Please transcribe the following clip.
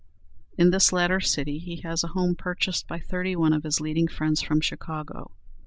In this latter city he has a home purchased by thirty one of his leading friends from Chicago.